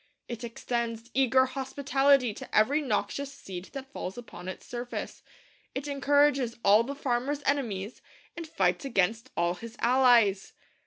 It extends eager hospitality to every noxious seed that falls upon its surface. It encourages all the farmer's enemies, and fights against all his allies.